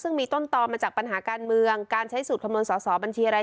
ซึ่งมีต้นตอมาจากปัญหาการเมืองการใช้สูตรคำนวณสอสอบัญชีอะไร